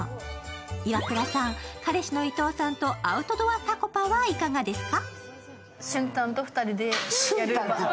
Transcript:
イワクラさん、彼氏の伊藤さんとアウトドアたこパはいかがですか。